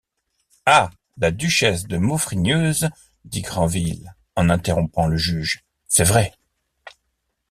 Ah ! la duchesse de Maufrigneuse, dit Grandville en interrompant le juge, c’est vrai…